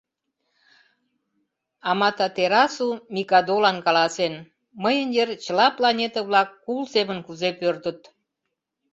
Аматерасу микадолан каласен: мыйын йыр чыла планета-влак кул семын кузе пӧрдыт.